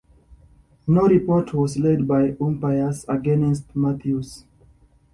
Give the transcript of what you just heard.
No report was laid by umpires against Matthews.